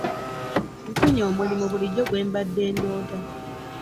Nfunye omulimu bulijjo gwembade ndoota.